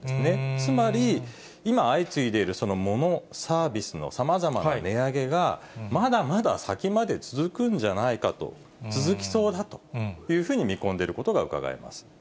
つまり、今、相次いでいる、もの、サービスのさまざまな値上げが、まだまだ先まで続くんじゃないかと、続きそうだというふうに見込んでいることがうかがえます。